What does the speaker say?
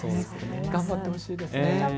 頑張ってほしいですね。